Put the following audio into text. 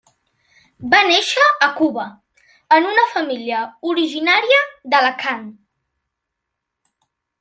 Va néixer a Cuba, en una família originària d'Alacant.